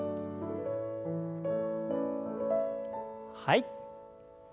はい。